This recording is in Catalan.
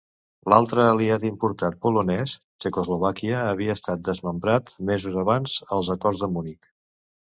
L'altre aliat importat polonès, Txecoslovàquia, havia estat desmembrat mesos abans als Acords de Munic.